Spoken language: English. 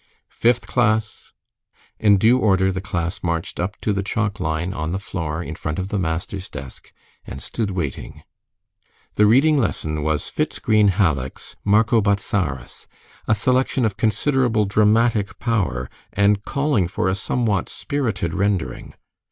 "Fifth class!" In due order the class marched up to the chalk line on the floor in front of the master's desk, and stood waiting. The reading lesson was Fitz Greene Halleck's "Marco Bozzaris," a selection of considerable dramatic power, and calling for a somewhat spirited rendering.